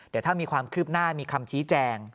เดี๋ยวถ้ามีความคืบหน้ามีคำชี้แจง